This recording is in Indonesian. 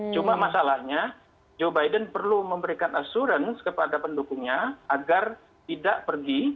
cuma masalahnya joe biden perlu memberikan assurance kepada pendukungnya agar tidak pergi